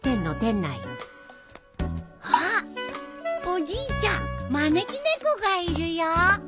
おじいちゃん招き猫がいるよ。